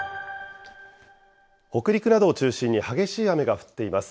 北陸などを中心に激しい雨が降っています。